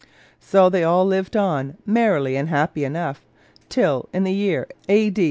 So they all lived on, merrily and happily enough, till, in the year A.D.